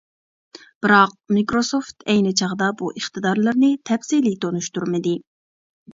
بىراق، مىكروسوفت ئەينى چاغدا بۇ ئىقتىدارلىرىنى تەپسىلىي تونۇشتۇرمىدى.